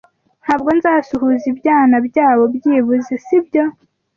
Ntabwo nzasuhuza ibyana byabo, byibuze sibyo,